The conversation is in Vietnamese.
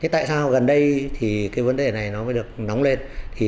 tại sao gần đây vấn đề này mới được nóng lên